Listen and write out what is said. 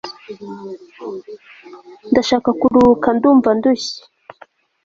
ndashaka kuruhuka ,ndumva ndushye